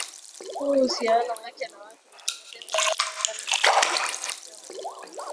huu uhusiano wake na watu mikakati ya Serikali athari za kiuchumi na mchango wa